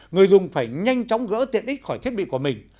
người dùng phải nhanh chóng gỡ tiện ích khỏi thiết bị của mình